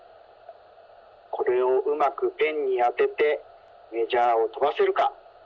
これをうまくペンにあててメジャーをとばせるか。